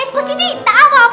posisi apa jadi aku